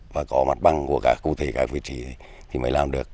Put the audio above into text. và có mặt bằng của các vị trí thì mới làm được